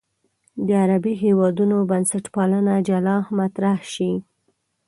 د عربي هېوادونو بنسټپالنه جلا مطرح شي.